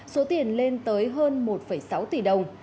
số tiền lên tới hơn một sáu tỷ đồng